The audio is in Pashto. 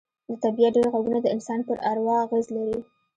د طبیعت ډېر غږونه د انسان پر اروا اغېز لري